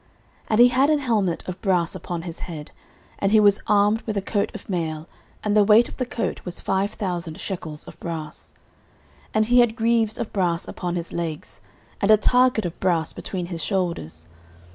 09:017:005 And he had an helmet of brass upon his head, and he was armed with a coat of mail; and the weight of the coat was five thousand shekels of brass. 09:017:006 And he had greaves of brass upon his legs, and a target of brass between his shoulders.